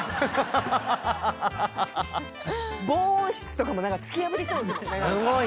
防音室とかも何か突き破りそうですもんね。